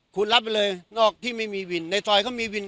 คุณรับไปเลยนอกที่ไม่มีวินในซอยเขามีวิน